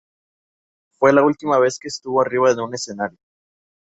Fue la última vez que estuvo arriba de un escenario.